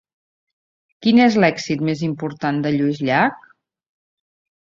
Quin és l'èxit més important de Lluís Llach?